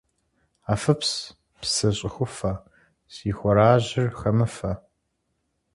Афыпс, псы щӀыхуфэ, си хуарэжьыр хэмыфэ.